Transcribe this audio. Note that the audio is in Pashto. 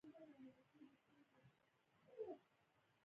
صنعتي کېدو بهیر د افریقا جنوب ته ونه غځېد.